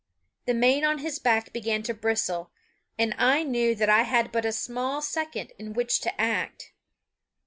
The mane on his back began to bristle, and I knew that I had but a small second in which to act.